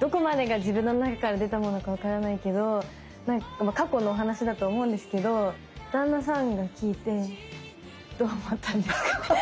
どこまでが自分の中から出たものか分からないけど過去のお話だと思うんですけど旦那さんが聴いてどう思ったんですかね？